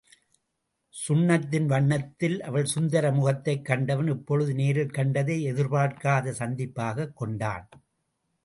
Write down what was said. சுண்ணத்தின் வண்ணத்தில் அவள் சுந்தர முகத்தைக் கண்டவன் இப்பொழுது நேரில் கண்டதை எதிர்பார்க்காத சந்திப்பாகக் கொண்டான்.